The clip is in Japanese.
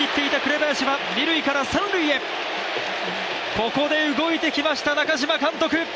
ここで動いてきました、中嶋監督。